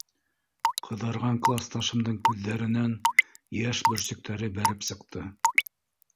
— Ҡыҙарған класташымдың күҙҙәренән йәш бөрсөктәре бәреп сыҡты.